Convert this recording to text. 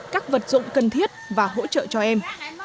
các vật dụng cần thiết và hỗ trợ cho em